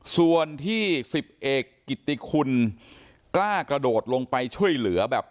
ส่วนที่๑๐เอกกิติคุณกล้ากระโดดลงไปช่วยเหลือแบบ